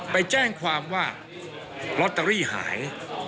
ไปแจ้งความว่าลอตเตอรี่หาย